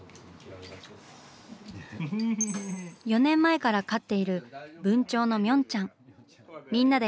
４年前から飼っている文鳥のミョンちゃん。